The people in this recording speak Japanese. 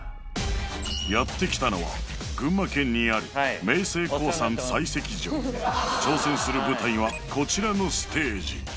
やってきたのは群馬県にある明盛宏産砕石場挑戦する舞台はこちらのステージ